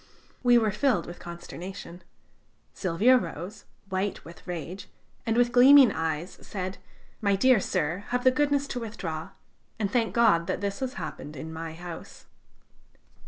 We were filled with consternation. Silvio rose, white with rage, and with gleaming eyes, said: "My dear sir, have the goodness to withdraw, and thank God that this has happened in my house."